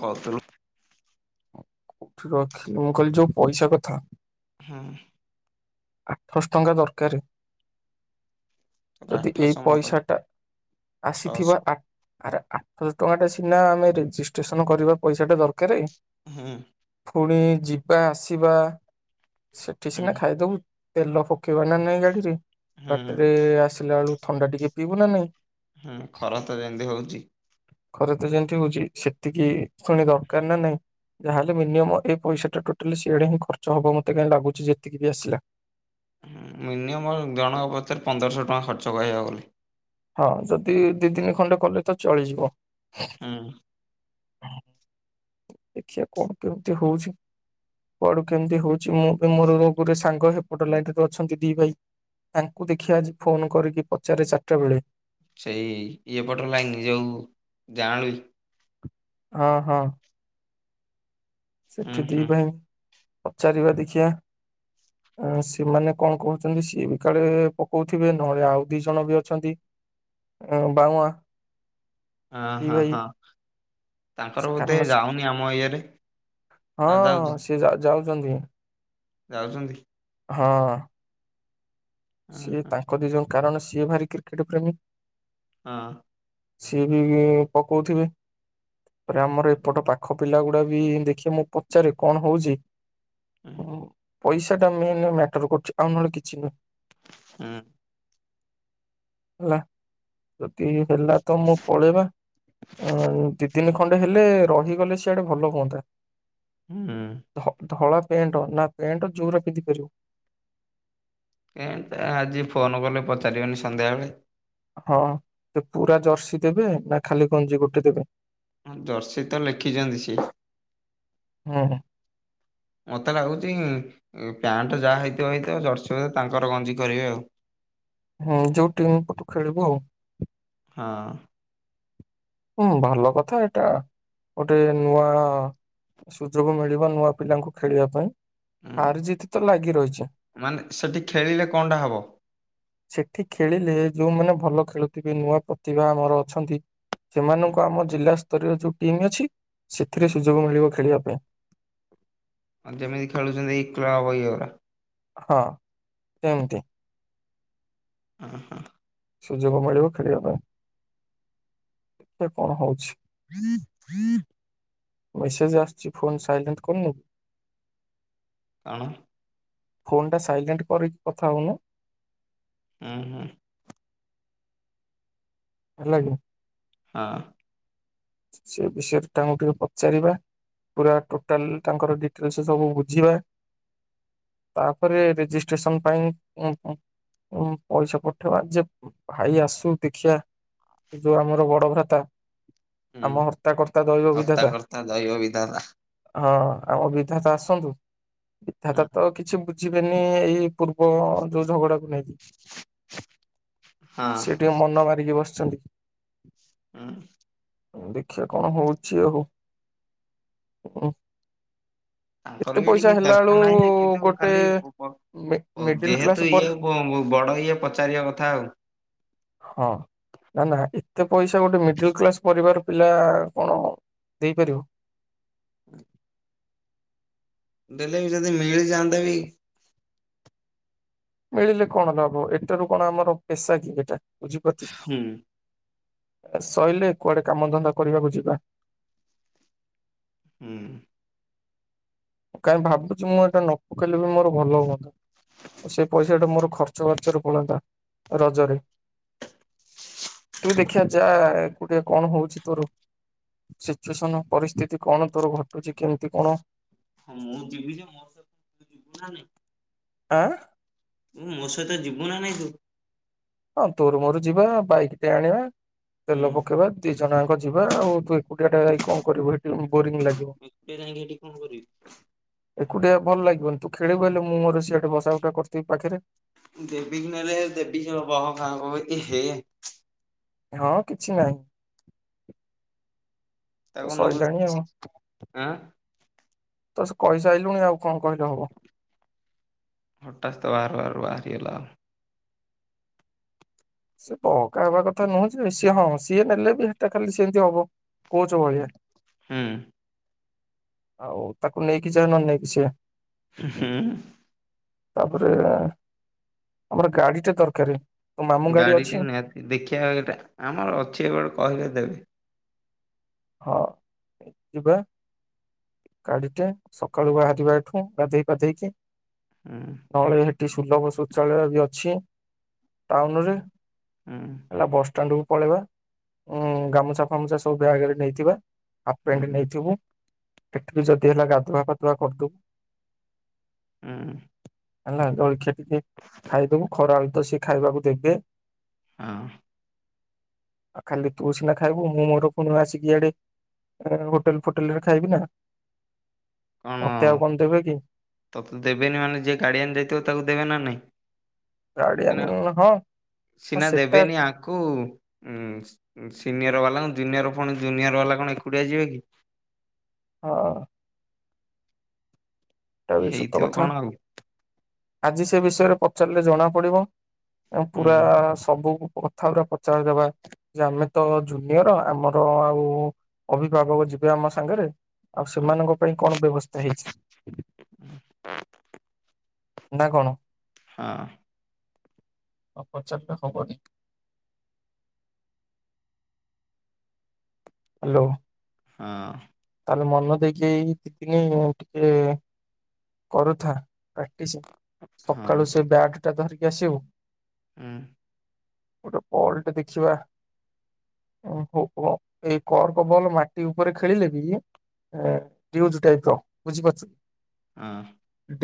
ବତ ଠି ରଖିଲି ମୁଁ କହିଲି ଯୋଉ ପଇସା କଥା। ହୁଁ। ଆଠଶ ଟଙ୍କା ଦରକାରେ। ତୋର ଯଦି ଏଇ ଆଠଶହ ମୋର ପଇସାଟା ଆସିଥିବା ଛଅଶହ ଆ ଆରେ ଆଠଶ ଟଙ୍କାଟା ସି ନା ଆମେ ରେଜିଷ୍ଟ୍ରେସନ୍ କରିବା ପଇସାଟା ଦରକାରେ। ହୁଁ। ପୁଣି ଯିବା ଆସିବା। ସେଠି ହୁଁ ସିନା ଖାଇଦବୁ। ତେଲ ଫୋ ରଖିବ ନା ନାଇଁ ଗାଡିରେ ହୁଁ ବାଟେରେ ଆସିଲା ବେଳୁ ଥଣ୍ଡା ଟିକେ ପିଇବୁ ନା ନାଇଁ। ହୁଁ ଖରା ତ ଯେମିତି ହଉଛି। ଖରା ତ ଯେମତି ହଉଛି, ସେତିକି ପୁଣି ଦରକାର ନା ନାଇଁ ଯାହାହେଲେ ମିନିୟମ ଏ ପଇସାଟା ଟୋଟାଲି ସିଆଡେ ହିଁ ଖର୍ଚ୍ଚ ହବ ମତେ କାଇଁ ଲାଗୁଛି ଯେତିକି ବି ଆସିଲା। ହୁଁ ମିନିୟମ୍ ଜଣ ପଛରେ ପନ୍ଦରଶ ଟଙ୍କା ଖର୍ଚ୍ଚ କହିଆକୁ ଗଲେ। ହଁ ଯଦି ଦି ତିିନି ଖଣ୍ଡେ କଲେ ତ ଚଳିଯିବ। ହୁଁ। ଦେଖିଆ କଣ କେମିତି ହଉଛି କୁଆଡୁ କେମିତି ହଉଛି ମୁଁ ବି ମୋର ରୋଗରେ ସାଙ୍ଗ ହେପଟ ଲାଇଟରେ ଅଛନ୍ତି ଦି ଭାଇ, ତାଙ୍କୁ ଦେଖିିବା ଆଜି ଫୋନ କରିକି ପଚାରେ ଚାରିଟା ବେଳେ। ସେଇ ଇଏପଟ ଲାଇନି ଯୋଉ ଯାଉଁଳି ଅ ହ। ଉଁ ସେଠି ହୁଁ ଦି ଭାଇ ପଚାରିବା ଦେଖିଆ ଉଁ ସେମାନେ କଣ କହୁଛନ୍ତି ସିଏ ବି କାଳେ ପକଉଥିବେ ନହେଲେ ଆଉ ଦି ଜଣ ବି ଅଛନ୍ତି, ଏଁ ବାଉଁଆ। ଅ ଦି ହଁ ଭାଇ ହଁ ତାଙ୍କର ବୋଧେ କାରଣ ସେ- ଯାଉନି ଆମ ଇଏରେ। ହଁ ନା ଯାଉଛି ସେ ଯାଉ ଯାଉଛନ୍ତି। ଯାଉଛନ୍ତି? ହଁ। ହଁ ସିଏ ହଁ ତାଙ୍କ ଦିଜଙ୍କ୍ କାରଣ ସିଏ ଭାରି କ୍ରିକେଟ ପ୍ରେମୀ ହଁ। ସିଏ ବି ପକଉଥିବେ। ରେ ଆମର ଏପଟ ପାଖ ପିଲା ଗୁଡା ବି ଦେଖି ମୁଁ ପଚାରେ କଣ ହଉଚି ହୋଉ। ପଇସା ଟା ମେନ ମ୍ୟାଟର କରୁଚି ଆଉ ନହେଲେ କିଛି ନୁହେଁ। ହୁଁ। ହେଲା। କେଇ ହେଲା ତ ମୁଁ ପଳେଇବା ଅଁ ଦି ଦିନ ଖ ଖଣ୍ଡେ ହେଲେ ରହିଗଲେ ସିଆଡେ ଭଲ ହୁଅନ୍ତା। ହୁଁ ଧ ଧଳ ପ୍ୟାଣ୍ଟ ନା ପ୍ୟାଣ୍ଟ ଜୋର ପିନ୍ଧି ପାରିବ। ଏଣ୍ଡ ଆଜି ଫୋନ କଲେ ପଚାରିବନି ସନ୍ଧ୍ୟାବେଳେ ହଁ ତ ପୁରା ଜର୍ସି ଦେବେ ନା ଖାଲି ଗଞ୍ଜି ଗୋଟେ ଦେବେ ଜର୍ସି ତ ଲେଖିଛନ୍ତି ସିଏ। [inaudible] ହଁ [inaudible] ମୋତେ ଲାଗୁଚି ପ୍ୟାଣ୍ଟ ଯାହା ହେଇଥିବ ହେଇଥିବ ଜର୍ସି ହ ତାଙ୍କର ଗଞ୍ଜି କରିବେ ଆଉ। ହୁଁ ଯୋଉ ଟିମ୍ ପଟୁ ଖେଳିବୁ ଆଉ। ହଁ ହୁଁ ଭଲ କଥା ଏଇଟା, ଗୋଟେ ନୂଆ ସୁଯୋଗ ମିଳିବ ନୂଆ ପିଲାଙ୍କୁ ଖେଳିବା ପାଇଁ। ହୁଁ ହାର ଜିତ ତ ଲାଗି ରହିଛି। [inaudible] ମାନେ ସେଠି ଖେଳିଲେ କଣଟା ହବ? ସେଠି ଖେଳିଲେ ଯୋଉମାନେ ଭଲ ଖେଳୁଥିବେ ନୂଆ ପ୍ରତିଭା ଆମର ଅଛନ୍ତି ଉଁ ସେମାନଙ୍କୁ ଆମ ଜିଲ୍ଲା ତରିଅର ଯୋଉ ଟିମ୍ ଅଛି। ସେଥିରେ ହୁଁ ସୁଯୋଗ ମିଳିବ ଖେଳିବା [inaudible] ଆଉ ଯେମିତି ଖେଳୁଛନ୍ତି ଏଇ କ୍ଲବ ଏଇଗୋରା ହଁ ଏମତି ହଁ ହଁ ସୁଯୋଗ ମିଳିବ ଖେଳିବା ପାଇଁ [inaudible] ଏ କଣ ହଉଚି। [inaudible] ମେସେଜ ଆସୁଚି ଫୋନ୍ ସାଇଲେଣ୍ଟ କରିନୁ। କଣ [inaudible] ଫୋନ ଟା ସାଇଲେଣ୍ଟ କରି କି କଥା ହୋଉନୁ। ହୁଁ ହୁଁ। ହେଲାକି? ହଁ ସେ ବିଷୟରେ ତାଙ୍କୁ ଟିକେ ପଚାରିବା ପୁରା ଟୋଟାଲ ତାଙ୍କର ଡିଟ୍ରେସେ ସବୁ ବୁଝିବା [inaudible] ତାପରେ ରେଜିଷ୍ଟ୍ରେସନ ପାଇଁ ଉଁ ଉଁ ଉଁ ପଇସା ପଠେଇବା ଯେ ଭାଇ ଆସୁ ଦେଖିବା ଯୋଉ ଆମର ବଡ ଭ୍ରାତା। ହୁଁ ଆମ ହର୍ତ୍ତାକର୍ତ୍ତା ଦୈବ [inaudible] ହ୍ରତା ବିଧାତା କ୍ରତା ଦଇବ ବିଧାତା। ହଁ ଆମ ବିଧାତା ଆସନ୍ତୁ। ବିଧାତା ହୁଁ, ତ କିଛି ବୁ ଯିବେନି ଏଇ। ପୂର୍ବ ଯୋଉ [inaudible] ଝଗଡାକୁ ନେଇକି ହଁ ସେି ଟିକେ ମନ ମାରିକି ବସିଛନ୍ତି। ହୁଁ ହୁଁ ଦେଖିବା କଣ ହଉଚି, ଆଉ ଉଃ ତାଙ୍କର ବି ଟିକେ ଦରକାର ନାହିଁ ଯେ କିନ୍ତୁ ଗୋଟେ ଖାଲି ମି [inaudible] ମିଡିଲ କ୍ଲାସ ଯେହେତୁ ପରେ ଇଏଉ ବଡ ଇଏ ପଚାରିବା କଥା ଆଉ ହଁ ନା ନା ଏତେ ପଇସା ଗୋଟେ ମିଡ କ୍ଲାସ ପରିବା ପିଲା କଣ ଦେଇପାରିବ [inaudible] [inaudible] ଦେଲେ ବି ଯଦି ମିଳି ଯାଆନ୍ତା ବି ମିଳିଲେ କଣ ନ ହବ ଏଟାରୁ କଣ ଆମର ପେସା କି ଏଟା ବୁଝିପାରୁଚୁ ହୁଁ ଆ ସଇଲେ କୁଆଡେ କାମଧନ୍ଦା କରିବାକୁ ଯିବା। ହୁଁ। କାଇଁ ଭାବୁଚି ମୁଁ ଏଇଟା ନ ପକେଇଲେ ବି ମୋର ଭଲ ହୁଅନ୍ତା ସେ ପଇସାଟା ମୋର ଖର୍ଚ ବାର୍ଚ୍ଚରେ ପଳାନ୍ତା ରଜରେ। କିମି ଦେଖିଆ ଯାଏ ଓକେ କଣ ହଉଚି ତୋର ସିଚୁଏସନ ପରିସ୍ଥିତି କଣ ତୋର ଘଟୁଚି କେମିତି କଣ ହଁ ମୁଁ ଯିବି ଯେ ମୋ ସହିତ ତୁ ଯିବୁ ନା ନାଇଁ? ଆଁ? ମୋ ସହିତ ଯିବୁ ନା ନାଇଁ ତୁ? ହଁ ତୋର ମୋର ଯିବା ବାଇକ୍ ଟେ ଆଣିବା। ହୁଁ ତେଲ ପକେଇବା ଦି ଜଣ ଆଙ୍କ ଯିବା ଆଉ ତୁ ଏକୁଟିଆ ଟା ଯାଇ କଣ କରିବୁ ଏଠି ବୋରିଂ ଲାଗିବ। ଏକୁଟିଆ ଯାଇକି ହେଠି କଣ କରିବି। ଏକୁଟିଆ ଭଲ ଲାଗିବନି ତୁ ଖେଳିବୁ ହେଲେ ମୁଁ ମୋର ସେ ସେଠି ବସା ଉଠା କରିଥିବି ପାଖରେ [unintelligible] ଏହେ ହଁ କିଛି ନାହିଁ। ତ ତାକୁ ନବୁ ସଇଲାଣି ଆଉ [unintelligible] ଆଁ ତ ସ କହି ସାରିଲୁଣି ଆଉ କଣ କହିଲେ ହବ। ହାଟାସ୍ତ ବାହାରୁ ବାହାରୁ ବାହାରି ରି ଗଲା ଆଉ ସେ ତ ଅକାଳେ ବାଦ କଥା ନୁହଁ ସିଏ ହଁ ସିଏ ନେଲେ ବି ହେଟା ଖାଲି ସେମିତି ହବ। କଉଚ ଭଳିଆ ହୁଁ ଆଉ ତାକୁ ନେଇକି ଯା ନ ନେଇକି ସେୟା ହୁ ହୁଁ ହୁଁ। ତାପରେ ଆମର ଗାଡି ଟା ଦରକାରେ। ତୋ ମାମୁଁ ଗାଡିଟା ନିହାତି ଦେଖିବା ଏଟା ଆମର ଅଛି ଏବେଟେ କହିଲେ ଦେବେ। ହଁ ଯିବା ଗାଡିଟେ ସକାଳୁ ବାହାରିବା ଏଠୁ ଗାଧେଇ ପାଧେଇକି ହୁଁ। ସେଠି ସୁଲଭ ଶୌଚାଳୟ ବି ଅଛି ଟାଉନ ରେ ହୁଁ ହେଲା ବାସ ଷ୍ଟାଣ୍ଡ କୁ ପଳେଇବା ଉଁ ଗାମୁଛା ଫାମୁଛା ସବୁ ଵ୍ୟାଗ୍ ରେ ନେଇଥିବା ହାପ ପେଣ୍ଟ ହୁଁ ନେଇଥିବୁ ଏଠିବି ଯଦି ହେଲା ଗାଧୁଆ ଫାଧୁଆ କରିଦବୁ ହୁଁ ହେଲା ଜଳଖିଆ ଟିକେ ଖାଇଦବୁ ଖରା ତ ସେ ଖାଇବାକୁ ଦେବେ ହଁ। ଆଉ ଖାଲି ତୁ ସିନା ଖାଇବୁ ମୁଁ ମୋର ପୁଣି ଆସିକ ୟାଡେ ଏ ହୋଟେଲ୍ ଫୋଟେଲ୍ ରେ ଖାଇବି ନା କଣ ମତେ ଆଉ କଣ ଦେବେ କି? ତତେ ଦେବେନି ମାନେ ଯିଏ ଗାର୍ଡିଆନ୍ ଯାଇଥିବ ତାକୁ ଦେବେ ନା ନାଇଁ? ଦେବେ ନା ଆଉ ଗାର୍ଡିଆନ ହଁ ହଁ ସିନା ସେଟା ଦେବେନି ଆଙ୍କୁ ଉ ସିନିୟର ବାଲା ଜୁନିୟର ପୁଣି ଜୁନିୟର ବାଲା କଣ ଏକୁଟିଆ ଯିବେ କି? ହଁ। ଏଟା ବି ସତ ହେଇଥିବ କଥା କଣ ଆଉ ଆଜି ସେ ବିଷୟରେ ପଚାରିଲେ ଜଣା ପଡିବ। କଁ ହୁଁ ପୁରା ସବୁ କୁ କଥା ପୁରା ପଚାରଦବା ଯେ ଆମେ ତ ଜୁନିୟର ଆମର ଆଉ ଅଭିଭାବକ ଯିବେ ଆମ ସାଙ୍ଗରେ ଆଉ ହଁ ସେମାନଙ୍କ ପାଇଁ କଣ ବ୍ୟବସ୍ଥା ହେଇଚି। ନା କଣ? ହଁ। ନ ପଚାରିଲେ ହବନି। ହ୍ୟାଲୋ। ହଁ। ହିଲି ମନ ଦେଇକି ଏ ଦି ଦିନି ଟିକେ କରୁଥା ପ୍ରାକ୍ଟିସ ହଁ ସକାଳୁ ସେ ବ୍ୟାଟ ଟା ଧରିକି କି ଆସିିବୁ ହୁଁ। ଗୋଟେ ବଲଟେ ଦେଖିବା ଉଁ ହଉ ପୁଅ ଏଇ କର୍କ ବଲ ମାଟି ଉପରେ ଖେଳିଲେ ବି ଏଁ ଟିଉଜ ଟାଇପ ର ବୁଝିପାରୁଚୁ। ହଁ।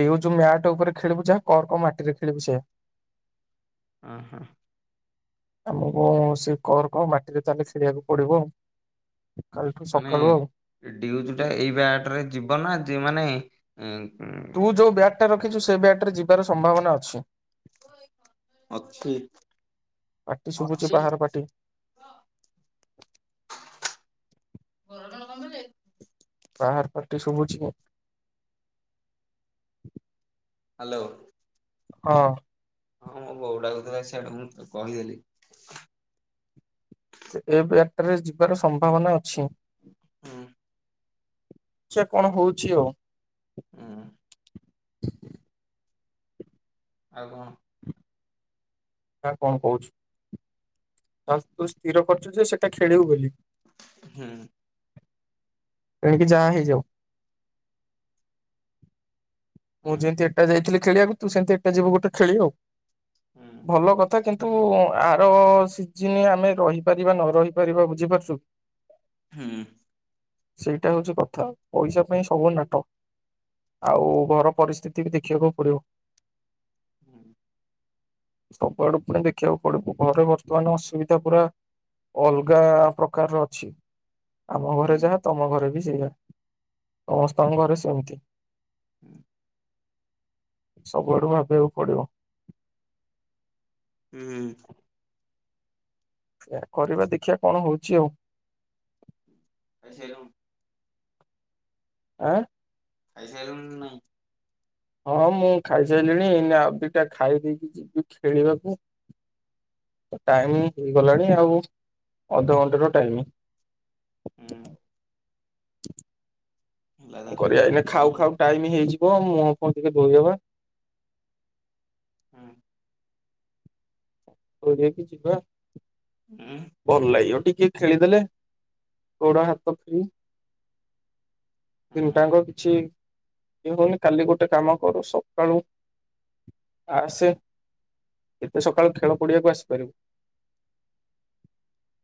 ଡିଉଜୁ ମ୍ୟାଟ ଉପରେ ଖେଳିବୁ ଯାହା କର୍କ ମାଟିରେ ଖେଳିବୁ ସେଇଆ। ଉଁ ହୁଁ। ଆମକୁ ସିଇ କର୍କ ମାଟିରେ ତାହେଲେ ଖେଳିବାକୁ ପଡିବ ଆଉ। କାଲିଠୁ ସକାଳୁ ଆଉ। ମାନେ ଡିଉଜୁ ଟା ଏଇ ବ୍ୟାଟ ରେ ଯିବ ନା ଯିବ ନାଇଁ। ଏଂ ତୁ ଯେଉ ବ୍ୟାଟା ରଖିଛୁ ସେ ବ୍ୟାଟରେ ଯିବାର ସମ୍ଭାବନା ଅଛି। ଅଛି ପାଟି ଶୁଭୁଛି ଅଛି। ବାହାର ପାଟି [unintelligible] କଣ କଲେ। କାହାର ପାଟି ଶୁଭୁଛି ଗୋ? ହାଲୋ। ଅ। ହଁ ମୋ ବୋଉ ଡାକୁଥିଲା ସେଆଡେ ମୁଁ କହିଦେଲି। ଏ ବ୍ୟାଟ ଟାରେ ଯିବାର ସମ୍ଭାବନା ଅଛି। ହୁଁ ଦେଖିବା କଣ ହୋଉଚି ଆଉ। ହୁଁ ଆଉ କଣ? ଆଉ କଣ କହୁଛୁ। [inaudible] ଆଉ ତୁ ସ୍ଥିର କରିଚୁ ଯେ ସେଟା ଖେଳିବୁ ବୋଲି। ହୁଁ। ଏଣିକି ଯାହା ହେଇଯାଉ। [inaudible] ମୁଁ ହୁଁ ଯେମିତି ଏଟା ଯାଇଥିଲି ଖେଳିବାକୁ ତୁ ସେମିତି ଏଟା ଯିବୁ ଗୋଟେ ଖେଳି ଆଉ। [inaudible] ଭଲ କଥା କିନ୍ ତୁ ଆର ସିଜିନ୍ ଆମେ ରହିପାରିବା ନ ରହିପାରିବା ବୁଝିପାରୁଚୁ। ହୁଁ। ସେଇଟା ହଉଛି କଥା ପଇସା ପାଇଁ ସବୁ ନାଟ। [inaudible] ଆଉ ଘର ପରିସ୍ଥିତି ବି ଦେଖିବାକୁ ପଡିବ। ହୁଁ। ସବୁଆଡୁ ପୁଣି ଦେଖିଆକୁ ପଡିବ। ଘରେ ବର୍ତ୍ତମାନ ଅସୁବିଧା ପୁରା, ଅଲଗା ପ୍ରକାରର ଅଛି। ଆମ ହୁଁ ଘରେ ହୁଁ ଯାହା ତମ ଘରେ ବି ସେଇଆ [inaudible] ସମସ୍ତଙ୍କ ଘରେ ସେମିତି। [inaudible] ସବୁଆଡୁ ଭାବିଆକୁ ପଡିବ। [inaudible] ହୁଁ। ଏଇଆ କରିବା ଦେଖିଆ କଣ ହୋଉଚି ଆଉ। [inaudible] ଖାଇ ସାଇଲୁଣୁ? ଆଁ ଖାଇ ସାଇଲୁଣୁ ନା ନାଇଁ। ହଁ ମୁଁ ଖାଇସାଇଲିଣି। ଏଇନା ଆଉ ଦିଇଟା ଖାଇ ଦେଇେଇକି ଯିବି ଖେଳିବାକୁ। [inaudible] ତ ଟାଇମ ହେଇଗଲାଣି ଆଉ। ଅଧଘଣ୍ଟେର ଟାଇମ। ହୁଁ [unintelligible] ହେଲା ତ କଅ କରିଆ ତିନିଟା ଏଇନା ଖାଉ କୋଡିଏ ଖାଉ ଆଉ ଟାଇମି ହେଇଜି ମୁଁହ ଫୁଁହ ଟିକେ ଧୋଇ ହବା। [inaudible] ହୁଁ। [unintelligible] ଯିବା। ହୁଁ ଭଲ ଲାଗବ ଟିକେ ଖେଳିଦେଲେ। ଗୋଡ ହାତ ଫି, [inaudible] ହୁଁ ତିନଟାଙ୍କ କିଛି ଇଏ ହଉନି, କାଲି ଗୋଟେ କାମ କର ସକାଳୁ [inaudible] ଆସେ। ଏତେ ସକାଳୁ ଖେଳ ପଡିଆକୁ ଆସିପାରିବୁ। [inaudible]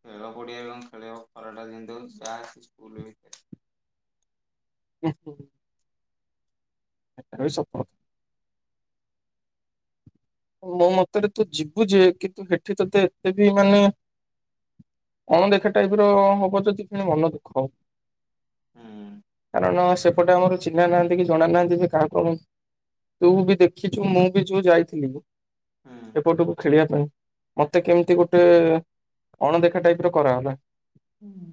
ଖେଳ ପଡିଆ ରେ କଣ ଖେଳିହବ। ଖରାଟା ଯେମିତି ହୋଉଚି। ଯାହା ସ୍କୁଲ ଭିତରେ [unintelligible] ସେଟା ରେ ବି ଶପଥ ମୋ ମତରେ ତୁ ଯିବୁ ଯେ, କିନ୍ତୁ ସେଠି ତତେ ଏତେ ବି ମାନେ, [inaudible] ଅଣଦେଖା ଟାଇପ ର ହବ ଯଦି କିଣି ମନ ଦୁଃଖ ହବ। ହୁଁ [inaudible] କାରଣ ସ୍କୁ ସେପଟେ ଆମର ଚିହ୍ନା ନାହାନ୍ତି କି ଜଣା ନାହାନ୍ତି। ଯେ କାହାକୁ କଣ [inaudible] ତୁ ବି ଦେଖିଚୁ ମୁଁ ବି ଯୋଉ ଯାଇଥିଲି। ହୁଁ। ଏପଟକୁ ଖେଳିଆ ପା ଉ ମତେ କେମିତି ଗୋଟେ ଅଣଦେଖା ଟାଇପ ର କରାଗଲା। ହୁଁ।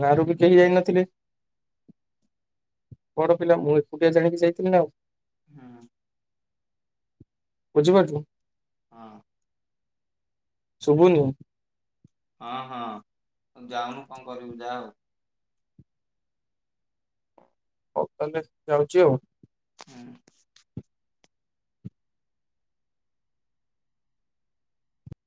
ଗାଁରୁ ବି କେହି ଯାଇନଥିଲେ। [inaudible] ପର ପିଲା ମୁଁ ଏକୁଟିଆ ଜାଣିକି ଯାଇଥିଲି ନା ଆଉ। ହୁଁ। ବୁଝି ପାରୁଚୁ। ହଁ। [inaudible] ସୁବୁନି [inaudible] ହଁ ହଁ ଯାଉନୁ କଣ କରିବୁ ଯା ଆଉ। ହୋଉ ତାହେଲେ ଯାଉଚି ଆଉ। ହୁଁ।